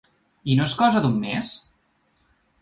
I no és cosa d’un mes?